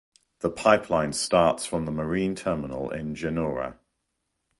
The pipeline starts from the marine terminal in Genoa.